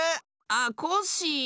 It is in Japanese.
あっコッシー。